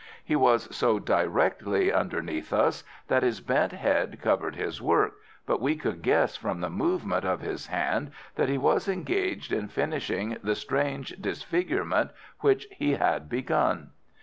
He was so directly underneath us that his bent head covered his work, but we could guess from the movement of his hand that he was engaged in finishing the strange disfigurement which he had begun.